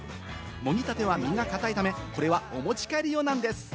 もぎたては実が硬いため、これはお持ち帰り用なんです。